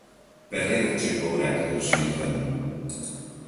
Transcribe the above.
Perrier etxeko urak erosi nituen.